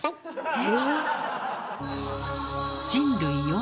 え？